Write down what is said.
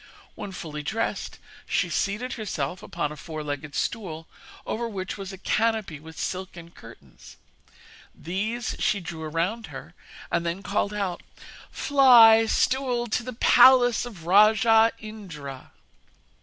When fully dressed, she seated herself upon a four legged stool over which was a canopy with silken curtains, these she drew around her, and then called out: 'Fly, stool, to the palace of rajah Indra.'